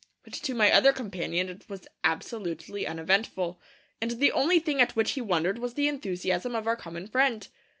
But to my other companion it was absolutely uneventful, and the only thing at which he wondered was the enthusiasm of our common friend.